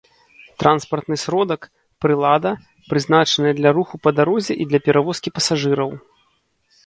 Транспартны сродак — прылада, прызначаная для руху па дарозе i для перавозкi пасажыраў